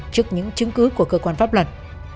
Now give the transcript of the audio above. trước những chứng cứ của cơ quan pháp luật